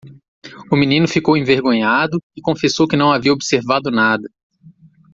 O menino ficou envergonhado? e confessou que não havia observado nada.